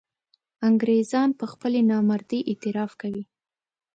انګرېزان پر خپلې نامردۍ اعتراف کوي.